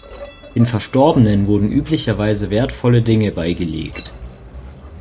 Den Verstorbenen wurden üblicherweise wertvolle Dinge beigelegt.